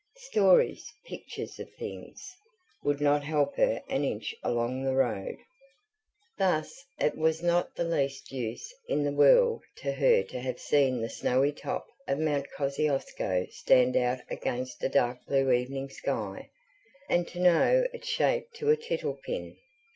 Stories, pictures of things, would not help her an inch along the road. Thus, it was not the least use in the world to her to have seen the snowy top of Mount Kosciusko stand out against a dark blue evening sky, and to know its shape to a tittlekin.